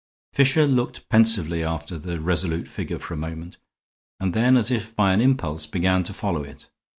Fisher looked pensively after the resolute figure for a moment, and then, as if by an impulse, began to follow it.